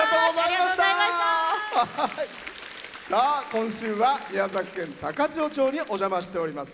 今週は宮崎県高千穂町におじゃましております。